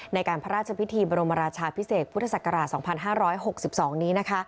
ในการพระราชพิธีบรมราชาพิเศษพุทธศักราช๒๕๖๒นี้นะคะ